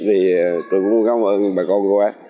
thì tôi cũng cảm ơn